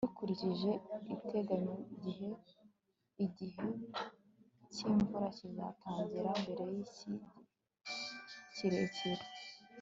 dukurikije iteganyagihe, igihe cy'imvura kizatangira mbere yigihe kirekire